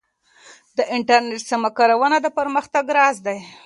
د انټرنیټ سمه کارونه د پرمختګ راز دی.